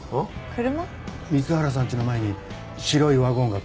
水原さんちの前に白いワゴンが止まってた。